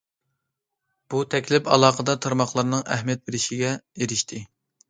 بۇ تەكلىپ ئالاقىدار تارماقلارنىڭ ئەھمىيەت بېرىشىگە ئېرىشتى.